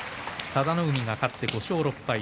佐田の海、勝って５勝６敗。